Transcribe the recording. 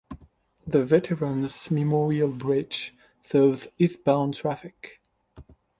The Veterans Memorial Bridge serves eastbound traffic.